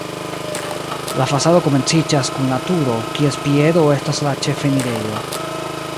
La fasado komenciĝas kun la turo, kies piedo estas la ĉefenirejo.